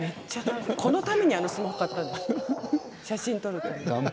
このためにスマホを買ったんですよ、写真撮るため。